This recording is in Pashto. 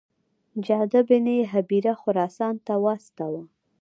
جعده بن هبیره خراسان ته واستاوه.